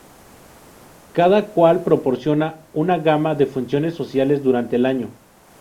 Cada cual proporciona una gama de funciones sociales durante el año.